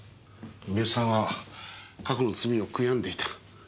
三好さんは過去の罪を悔んでいた。